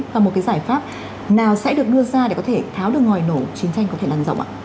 và một giải pháp nào sẽ được đưa ra để có thể tháo được ngòi nổ chiến tranh có thể nằm rộng